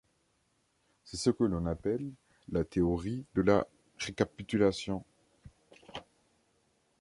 C'est ce que l'on appelle la théorie de la récapitulation.